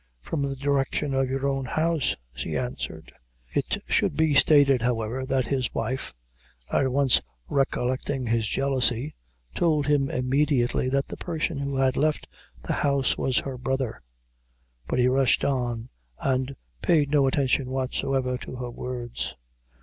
"From the direction of your own house," she answered. It should be stated, however, that his wife, at once recollecting his jealousy, told him immediately that the person who had left the house was her brother; but he rushed on, and paid no attention whatsoever to her words.